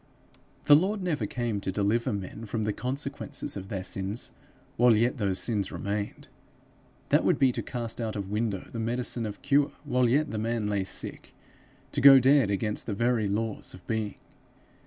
The Lord never came to deliver men from the consequences of their sins while yet those sins remained: that would be to cast out of window the medicine of cure while yet the man lay sick; to go dead against the very laws of being.